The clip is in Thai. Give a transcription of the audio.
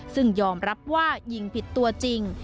ซึ่งยอมรับว่ายิงผิดตัวจริง